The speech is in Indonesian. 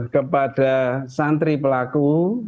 kepada santri pelaku